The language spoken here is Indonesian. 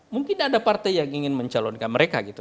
mungkin ada partai yang ingin mencalonkan mereka gitu